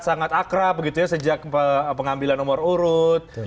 sangat akrab sejak pengambilan umur urut